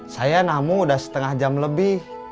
saya namu udah setengah jam lebih